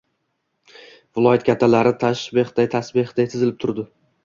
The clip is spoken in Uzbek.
Viloyat kattalari tasbehday-tasbehday tizilib turdi.